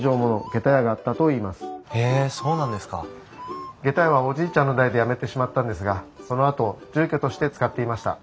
げた屋はおじいちゃんの代でやめてしまったんですがそのあと住居として使っていました。